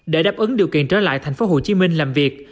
để đáp ứng điều kiện trở lại thành phố hồ chí minh làm việc